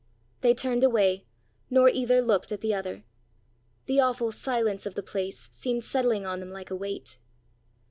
They turned away, nor either looked at the other. The awful silence of the place seemed settling on them like a weight.